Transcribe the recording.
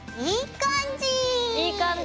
いい感じ！